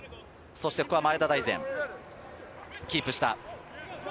ここは前田大然、キープした。